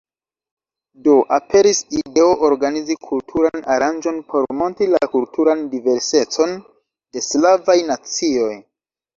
Do aperis ideo organizi kulturan aranĝon por montri la kulturan diversecon de slavaj nacioj.